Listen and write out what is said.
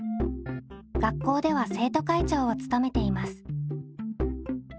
学校では生徒会長を務めています。